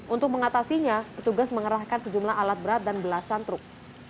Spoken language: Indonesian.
untuk mengatasinya petugas mengerahkan sejumlah alat berat dan belasan truk